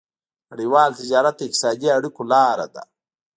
نړيوال تجارت د اقتصادي اړیکو لاره ده.